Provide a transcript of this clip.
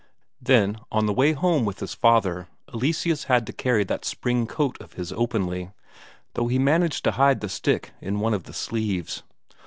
Then on the way home with his father, Eleseus had to carry that spring coat of his openly, though he managed to hide the stick in one of the sleeves.